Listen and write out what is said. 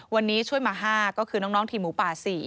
วันนี้ช่วยมา๕ก็คือน้องทีมหมูป่า๔